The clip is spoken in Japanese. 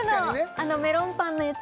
あのメロンパンのやつ